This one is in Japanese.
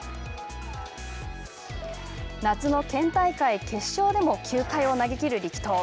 夏の県大会決勝でも９回を投げ切る力投。